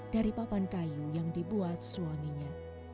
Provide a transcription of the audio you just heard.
dari papan kayu yang dibuat suaminya